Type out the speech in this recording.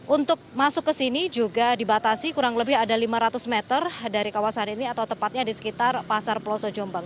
untuk masuk ke sini juga dibatasi kurang lebih ada lima ratus meter dari kawasan ini atau tepatnya di sekitar pasar peloso jombang